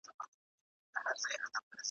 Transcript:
په څارل یې غلیمان په سمه غر کي `